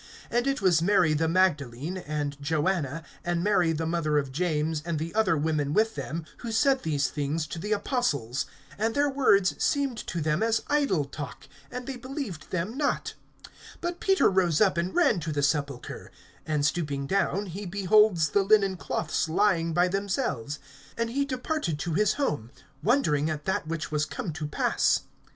(10)And it was Mary the Magdalene, and Joanna, and Mary the mother of James, and the other women with them, who said these things to the apostles. (11)And their words seemed to them as idle talk, and they believed them not. (12)But Peter rose up, and ran to the sepulchre; and stooping down, he beholds the linen cloths lying by themselves; and he departed to his home, wondering at that which was come to pass.